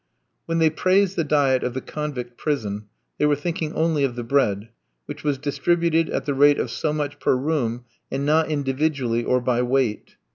When they praised the diet of the convict prison, they were thinking only of the bread, which was distributed at the rate of so much per room, and not individually or by weight.